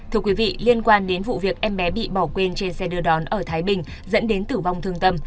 thưa quý vị liên quan đến vụ việc em bé bị bỏ quên trên xe đưa đón ở thái bình dẫn đến tử vong thương tâm